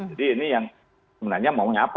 jadi ini yang sebenarnya maunya apa